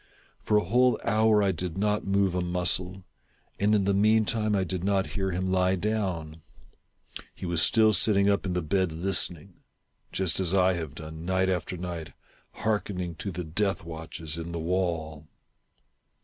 For a whole hour I did not move a muscle, and in the meantime I did not hear him lie down. He was still sitting up in the bed listening ;— just as I have done, night after night, heark ening to the death watches in the wall.